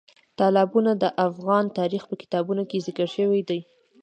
تالابونه د افغان تاریخ په کتابونو کې ذکر شوي دي.